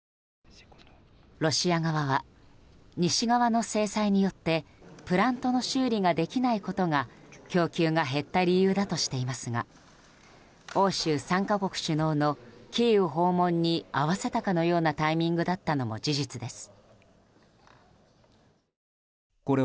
ロシア側は西側の制裁によってプラントの修理ができないことが供給が減った理由だとしていますが欧州３か国首脳のキーウ訪問に合わせたかのようなタイミングだったのも事実です。